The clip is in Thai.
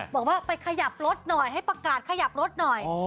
บอกว่าไปขยับรถหน่อยให้ประกาศขยับรถหน่อย